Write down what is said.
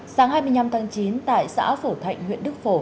sáng hai mươi năm tháng chín tại xã phổ thạnh huyện đức phổ